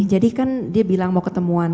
jadi kan dia bilang mau ketemuan